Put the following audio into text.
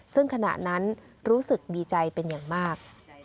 ซึ่งขณะนั้นรู้สึกดีใจเป็นอย่างมาก